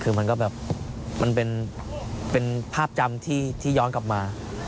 คือมันก็แบบมันเป็นภาพจำที่ย้อนกลับมา